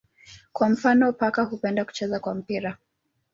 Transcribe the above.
Kwa mfano paka hupenda kucheza kwa mpira.